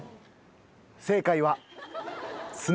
正解は。